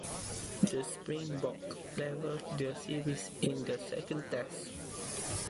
The Springboks levelled the series in the second Test.